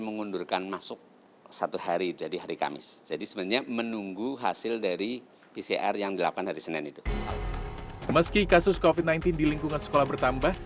meski kasus covid sembilan belas di lingkungan sekolah bertambah